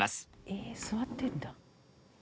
え座ってんだ。